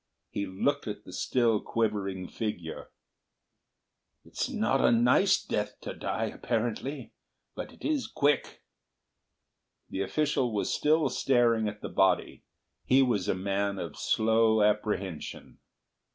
He looked at the still quivering figure. "It's not a nice death to die, apparently—but it is quick." The official was still staring at the body. He was a man of slow apprehension.